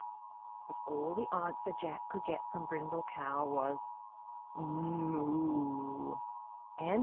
But all the answer Jack could get from Brindle Cow was "M o o o!"